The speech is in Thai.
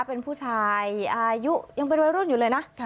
เป็นผู้ชายอายุยังเป็นวัยรุ่นอยู่เลยนะ